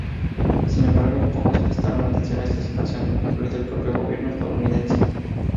Sin embargo, pocos prestaron atención a esta situación, incluido el propio gobierno estadounidense.